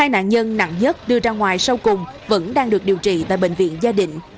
hai nạn nhân nặng nhất đưa ra ngoài sau cùng vẫn đang được điều trị tại bệnh viện gia đình